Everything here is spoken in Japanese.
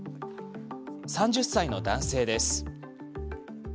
３０歳の男性です。